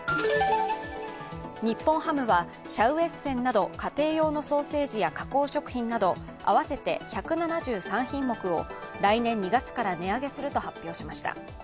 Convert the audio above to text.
日本ハムはシャウエッセンなど家庭用のソーセージや加工食品など合わせて１７３品目を、来年２月から値上げすると発表しました。